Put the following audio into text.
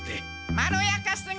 まろやかすぎ！